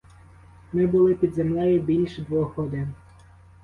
Ми були під землею більш двох годин.